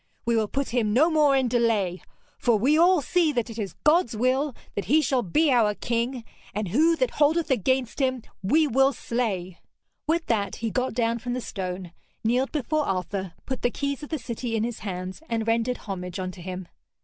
We will put him no more in delay, for we all see that it is God's will that he shall be our King, and who that holdeth against him, we will slay.' With that he got down from the stone, kneeled before Arthur, put the keys of the city in his hands, and rendered homage unto him.